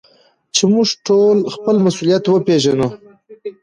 چي موږ ټول خپل مسؤليت وپېژنو.